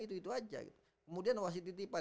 itu itu aja kemudian wasit titipan